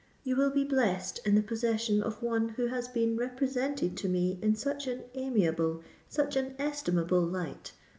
You will be blessed in the possession of one who has been represented to me in such an amiable—such an estimable light.